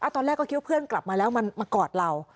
ตอนแรกก็คิดว่าเพื่อนกลับมาแล้วมากอดเรา